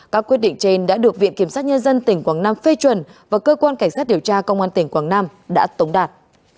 các quyết định trên đã được viện kiểm sát nhân dân tỉnh quảng nam phê chuẩn và cơ quan cảnh sát điều tra công an tỉnh quảng nam đã tống đạt